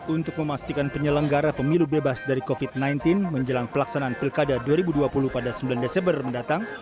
untuk memastikan penyelenggara pemilu bebas dari covid sembilan belas menjelang pelaksanaan pilkada dua ribu dua puluh pada sembilan desember mendatang